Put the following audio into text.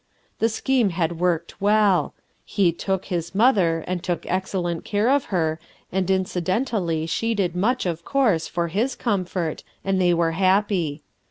The scheme had worked well. He "took" his mother and took excellent care of her, and incidentally she did much, of course, for lug comfort, and they were happy.